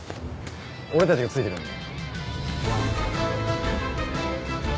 俺たちがついてるんで。